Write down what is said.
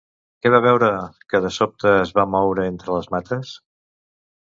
Què va veure que de sobte es va moure entre les mates?